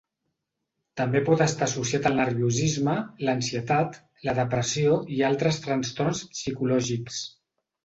També pot estar associat al nerviosisme, l'ansietat, la depressió i altres trastorns psicològics.